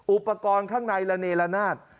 อุปกรณ์ข้างในระเนละนาด